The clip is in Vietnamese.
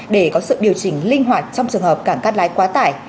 để có sự điều chỉnh linh hoạt trong trường hợp cảng cắt lái quá tải